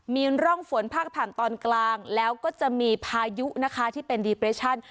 มีร่องฝนพาดผ่านตอนกลางแล้วก็จะมีพายุนะคะที่เป็นดีเปรชั่น